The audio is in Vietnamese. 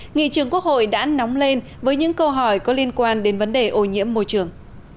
nghị trường quốc hội đã nóng lên với những câu hỏi có liên quan đến vấn đề ô nhiễm môi trường